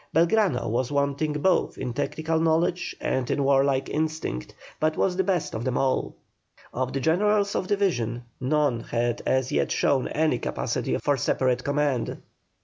Belgrano was wanting both in technical knowledge and in warlike instinct, but was the best of them all. Of the generals of division, none had as yet shown any capacity for separate command.